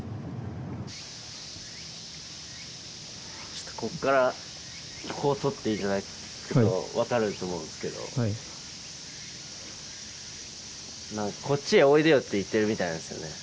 ちょっとこっからこう撮っていただくと分かると思うんすけど何かこっちへおいでよって言ってるみたいなんすよね